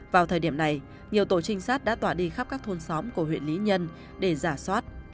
vào thời điểm này nhiều tổ trinh sát đã tỏa đi khắp các thôn xóm của huyện lý nhân để giả soát